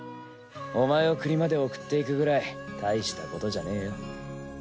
お前を国まで送っていくぐらい大したことじゃねえよ。